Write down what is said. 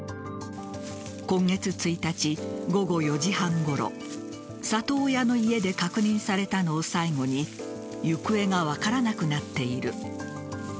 今月１日午後４時半ごろ里親の家で確認されたのを最後に行方が分からなくなっている。